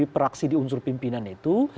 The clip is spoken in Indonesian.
praksi di unsur pimpinan itu